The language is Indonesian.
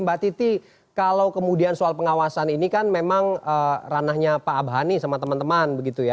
mbak titi kalau kemudian soal pengawasan ini kan memang ranahnya pak abhani sama teman teman begitu ya